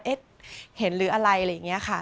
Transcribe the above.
เห็นหรืออะไรอะไรอย่างนี้ค่ะ